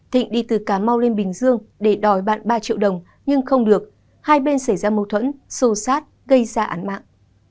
thịnh đi từ cà mau lên bình dương để đòi bạn ba triệu đồng nhưng không được hai bên xảy ra mâu thuẫn sô sát gây ra án mạng